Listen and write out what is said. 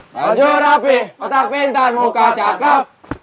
baljur rapih otak pintar muka cakep